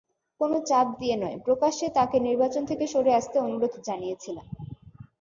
কোনো চাপ দিয়ে নয়, প্রকাশ্যে তাঁকে নির্বাচন থেকে সরে আসতে অনুরোধ জানিয়েছিলাম।